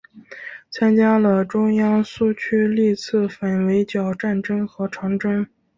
参加了中央苏区历次反围剿战争和长征。